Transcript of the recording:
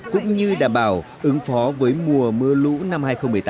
cũng như đảm bảo ứng phó với mùa mưa lũ năm hai nghìn một mươi tám